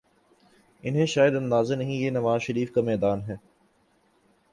انہیں شاید اندازہ نہیں یہ نواز شریف کا میدان ہے۔